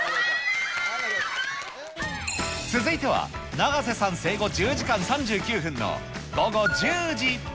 続いては、永瀬さん生後１０時間３９分の午後１０時。